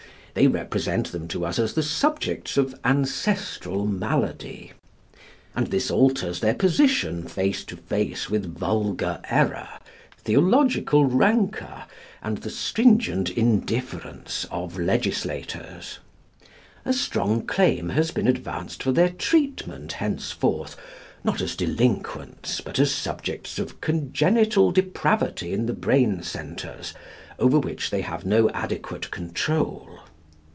They represent them to us as the subjects of ancestral malady. And this alters their position face to face with vulgar error, theological rancour, and the stringent indifference of legislators. A strong claim has been advanced for their treatment henceforth, not as delinquents, but as subjects of congenital depravity in the brain centres, over which they have no adequate control.